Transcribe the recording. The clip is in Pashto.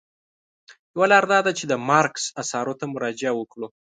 یوه لاره دا ده چې د مارکس اثارو ته مراجعه وکړو.